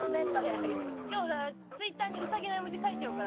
今日だからＴｗｉｔｔｅｒにウサギの絵文字書いちゃうから。